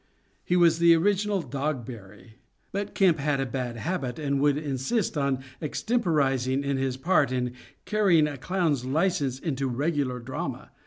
He was the original Dogberry. But Kemp had a bad habit, and would insist on extemporising in his part and carrying a clown's licence into regular drama.